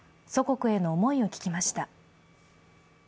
祖国への思いを聞きました。